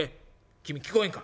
「君聞こえんか？